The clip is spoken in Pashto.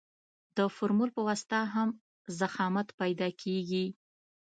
د فورمول په واسطه هم ضخامت پیدا کیږي